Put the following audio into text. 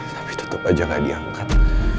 tapi tetep aja gak diangkat